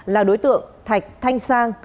là đối tượng thạch thanh sang